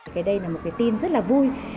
cái đây là một cái tin rất là vui